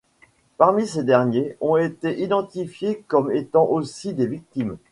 Parmi ces derniers, ont été identifiés comme étant aussi des victimes.